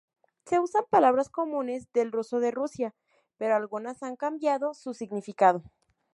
Se usan palabras comunes del ruso de Rusia, pero algunas han cambiado su significado.